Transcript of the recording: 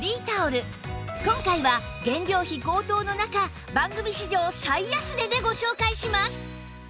今回は原料費高騰の中番組史上最安値でご紹介します！